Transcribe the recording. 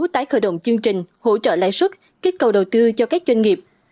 tái khởi động chương trình hỗ trợ lãi xuất kích cầu đầu tư cho các doanh nghiệp